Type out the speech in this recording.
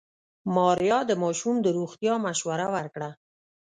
ماريا د ماشوم د روغتيا مشوره ورکړه.